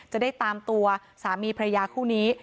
จะได้ตามตัวสามีพระยาคู่นี้